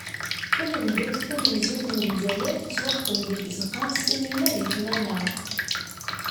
Tamendawt tamenzut n Lezzayer tettwaxdem di tzeqqa n sinima di tmanaɣt.